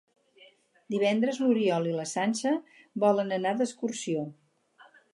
Divendres n'Oriol i na Sança volen anar d'excursió.